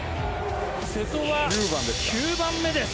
瀬戸は９番目です。